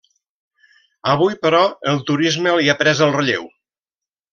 Avui, però, el turisme l'hi ha pres el relleu.